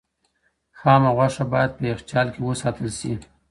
خامه غوښه باید په یخچال کې وساتل شي.